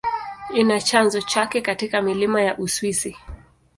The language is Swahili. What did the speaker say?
Ina chanzo chake katika milima ya Uswisi.